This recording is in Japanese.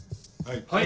はい。